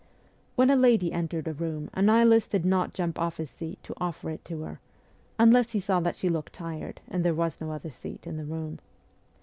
When a lady entered a room a Nihilist did not jump off his seat to offer it to her unless he saw that she looked tired and there was no other seat in the room.